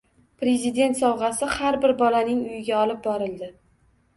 “Prezident sovg‘asi” har bir bolaning uyiga olib borildi